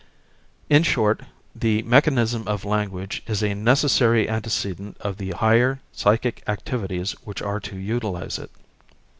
In short the mechanism of language is a necessary antecedent of the higher psychic activities which are to utilise it.